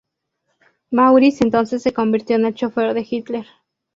Maurice entonces se convirtió en el chófer de Hitler.